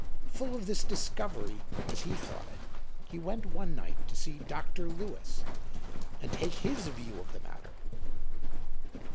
Full of this discovery, as he thought it, he went one night to see Dr. Lewis and take his view of the matter.